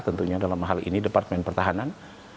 tentunya dalam hal ini departemen pertahanan